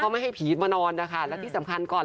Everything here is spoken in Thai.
ไม่ให้ผีมานอนนะคะและที่สำคัญก่อน